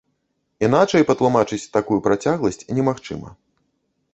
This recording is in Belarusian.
Іначай патлумачыць такую працягласць немагчыма.